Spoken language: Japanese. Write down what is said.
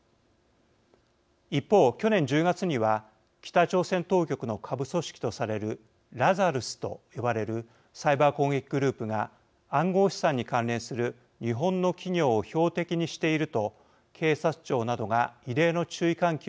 一方去年１０月には北朝鮮当局の下部組織とされるラザルスと呼ばれるサイバー攻撃グループが暗号資産に関連する日本の企業を標的にしていると警察庁などが異例の注意喚起を行いました。